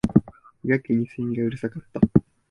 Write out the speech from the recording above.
やけに蝉がうるさかった